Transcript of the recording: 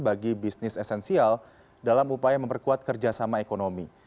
bagi bisnis esensial dalam upaya memperkuat kerjasama ekonomi